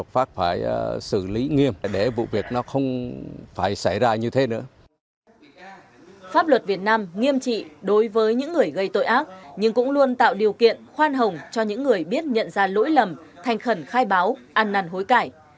pháp luật việt nam nghiêm trị đối với những người gây tội ác nhưng cũng luôn tạo điều kiện khoan hồng cho những người biết nhận ra lỗi lầm thành khẩn khai báo ăn năn hối cải